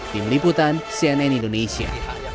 tim liputan cnn indonesia